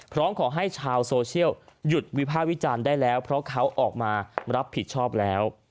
พร้อมขอให้ชาวโซเชียลหยุดวิภาควิจารณ์ได้แล้วเพราะเขาออกมารับผิดชอบแล้ว